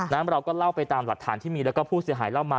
เราก็เล่าไปตามหลักฐานที่มีแล้วก็ผู้เสียหายเล่ามา